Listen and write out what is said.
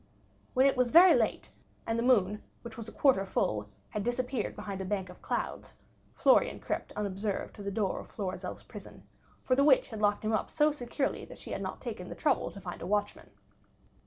When it was very late, and the moon, which was a quarter full, had disappeared behind a bank of clouds, Florian crept unobserved to the door of Florizel's prison; for the witch had locked him up so securely that she had not taken the trouble to find a watchman.